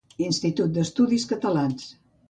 Institut d'Estudis Catalans